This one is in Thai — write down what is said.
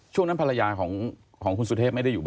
ช่วงนั้นภรรยาของคุณสุเทพไม่ได้อยู่บ้าน